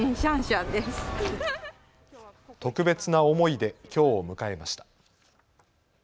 特別な思いできょうを迎えました。